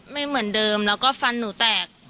ไม่เหมือนเดิมแล้วก็ฟันหนูแตก